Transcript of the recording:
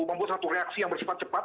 membuat satu reaksi yang bersifat cepat